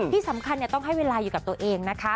ที่สำคัญต้องให้เวลาอยู่กับตัวเองนะคะ